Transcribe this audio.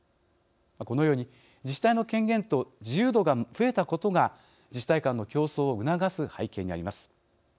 このように自治体の権限と自由度が増えたことが自治体間の競争を促す背景にあります。